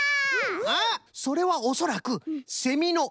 あっそれはおそらくセミのうかじゃな。